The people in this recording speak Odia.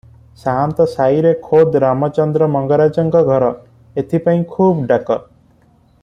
ସାଆନ୍ତ ସାଇରେ ଖୋଦ୍ ରାମଚନ୍ଦ୍ର ମଙ୍ଗରାଜଙ୍କ ଘର; ଏଥିପାଇଁ ଖୁବ୍ ଡାକ ।